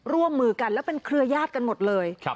ร่วมมือกันแล้วเป็นเครือยาศกันหมดเลย